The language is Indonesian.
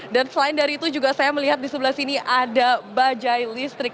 dan selain dari itu juga saya melihat di sebelah sini ada bajai listrik